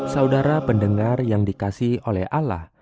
saudara pendengar yang dikasih oleh allah